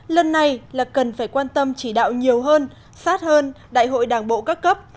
lần này là cần phải quan tâm chỉ đạo nhiều hơn sát hơn đại hội đảng bộ các cấp